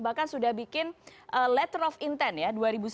bahkan sudah bikin letter of intent ya dua ribu sembilan belas